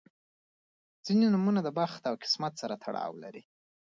• ځینې نومونه د بخت او قسمت سره تړاو لري.